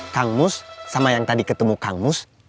kang mus sama yang tadi ketemu kang mus